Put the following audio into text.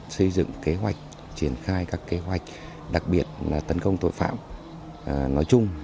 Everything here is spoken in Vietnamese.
xây dựng kế hoạch triển khai các kế hoạch đặc biệt là tấn công tội phạm nói chung